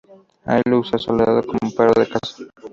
Ahí lo usa Salcedo como perro de caza.